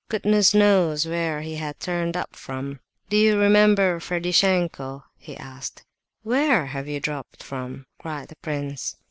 Goodness knows where he had turned up from! "Do you remember Ferdishenko?" he asked. "Where have you dropped from?" cried the prince.